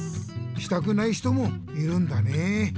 したくない人もいるんだねえ。